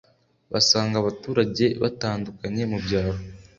basanga abaturage batandukanye mu byaro